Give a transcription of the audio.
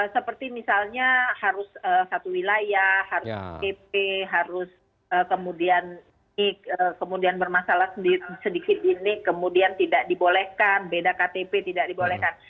seperti misalnya harus satu wilayah harus pp harus kemudian bermasalah sedikit ini kemudian tidak dibolehkan beda ktp tidak dibolehkan